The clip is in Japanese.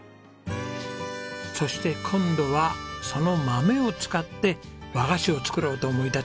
そして今度はその豆を使って和菓子を作ろうと思い立ち